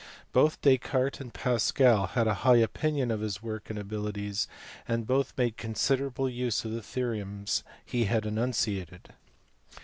Both Descartes and Pascal had a high opinion of his work and abilities, and both made considerable use of the theorems he had enunciated.